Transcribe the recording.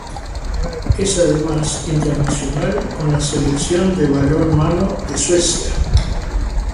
Es además internacional con la Selección de balonmano de Suecia.